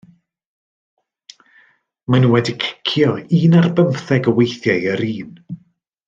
Maen nhw wedi cicio un ar bymtheg o weithiau yr un.